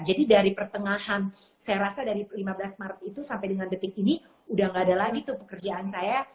jadi dari pertengahan saya rasa dari lima belas maret itu sampai dengan detik ini udah gak ada lagi tuh pekerjaan saya